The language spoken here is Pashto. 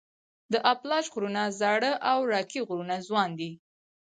د اپلاش غرونه زاړه او راکي غرونه ځوان دي.